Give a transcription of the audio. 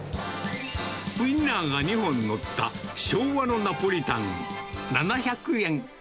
ウインナーが２本載った昭和のナポリタン７００円。